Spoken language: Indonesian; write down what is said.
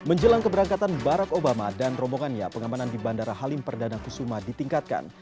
menjelang keberangkatan barack obama dan rombongannya pengamanan di bandara halim perdana kusuma ditingkatkan